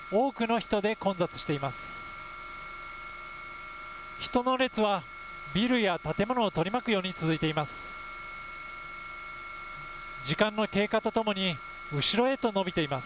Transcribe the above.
人の列はビルや建物を取り巻くように続いています。